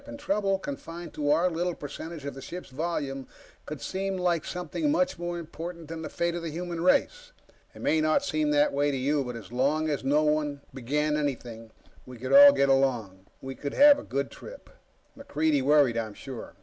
Trouble, confined to our little percentage of the ship's volume, could seem like something much more important than the fate of the human race. It may not seem that way to you. But as long as no one began anything, we could all get along. We could have a good trip. MacReidie worried, I'm sure.